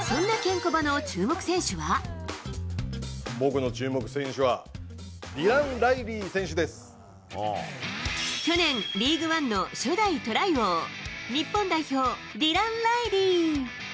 僕の注目選手は、去年、リーグワンの初代トライ王、日本代表、ディラン・ライリー。